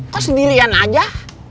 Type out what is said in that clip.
kok sendirian aja